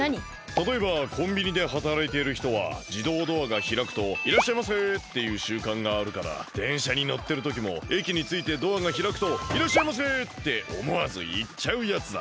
たとえばコンビニではたらいているひとはじどうドアがひらくといらっしゃいませっていうしゅうかんがあるからでんしゃにのってるときもえきについてドアがひらくといらっしゃいませっておもわずいっちゃうやつだ。